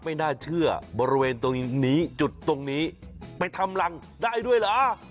ไม่น่าเชื่อบริเวณตรงนี้จุดตรงนี้ไปทำรังได้ด้วยเหรอ